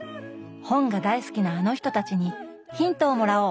本が大好きなあの人たちにヒントをもらおう！